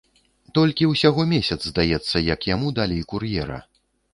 Толькі ўсяго месяц, здаецца, як яму далі кур'ера.